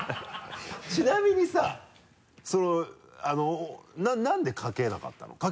ちなみにさなんでかけなかったの？